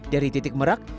dari titik merak